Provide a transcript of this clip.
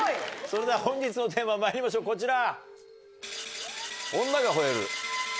それでは本日のテーマまいりましょうこちら。